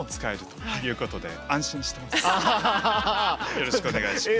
よろしくお願いします。